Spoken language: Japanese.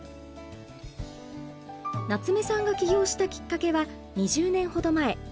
夏目さんが起業したきっかけは２０年ほど前。